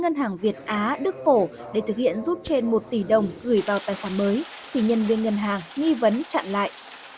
nhân viên ngân hàng nghi vấn chặn lại